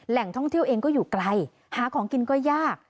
แหล่งท่องเที่ยวเองก็อยู่ไกลหาของกินก็ยาก